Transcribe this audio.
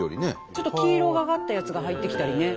ちょっと黄色がかったやつが入ってきたりね。